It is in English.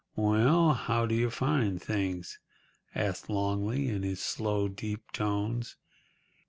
"Well, how do you find things?" asked Longley, in his slow, deep tones.